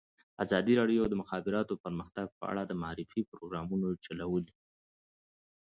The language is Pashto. ازادي راډیو د د مخابراتو پرمختګ په اړه د معارفې پروګرامونه چلولي.